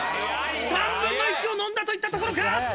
３分の１を飲んだといったところか！